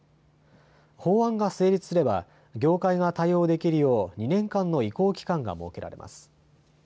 法案が成立すれば業界が対応できるよう２年間の移行期間が設けられます。